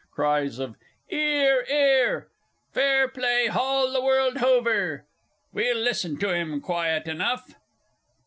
(_Cries of 'Ear 'ear! "Fair play hall the world hover!" "We'll listen to him quiet enough!"